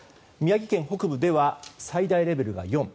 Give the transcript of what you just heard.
宮城県北部では最大レベルが４。